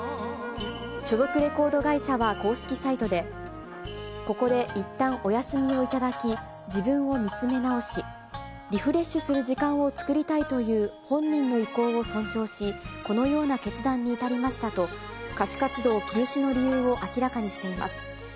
所属レコード会社は、公式サイトで、ここでいったん、お休みを頂き、自分を見つめ直し、リフレッシュする時間を作りたいという本人の意向を尊重し、このような決断に至りましたと、歌手活動休止の理由を明らかにしています。